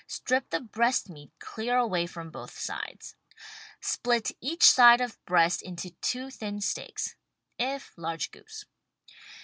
Strip the breast meat clear away from both sides. Split each side of breast into two thin steaks (if large goose).